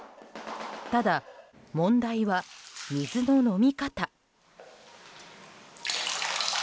ただ、問題は水の飲み方。